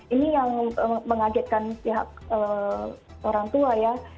ini yang mengagetkan pihak orang tua ya